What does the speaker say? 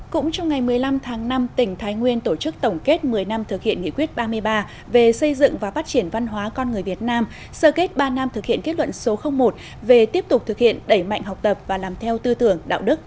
cũng trong ngày một mươi năm tháng năm tỉnh thái nguyên tổ chức tổng kết một mươi năm thực hiện nghị quyết ba mươi ba về xây dựng và phát triển văn hóa con người việt nam sơ kết ba năm thực hiện kết luận số một về tiếp tục thực hiện đẩy mạnh học tập và làm theo tư tưởng đạo đức